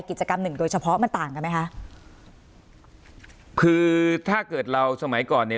กิจกรรมหนึ่งโดยเฉพาะมันต่างกันไหมคะคือถ้าเกิดเราสมัยก่อนเนี้ย